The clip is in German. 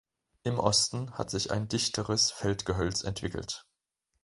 Im Osten hat sich ein dichteres Feldgehölz entwickelt.